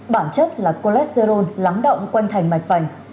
bản chất là cholesterol lắng động quanh thành mạch vành